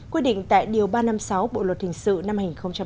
quyết định tại điều ba trăm năm mươi sáu bộ luật thình sự năm hai nghìn một mươi năm